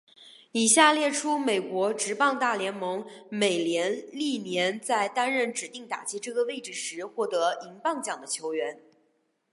以下列出美国职棒大联盟美联历年在担任指定打击这个位置时获得银棒奖的球员。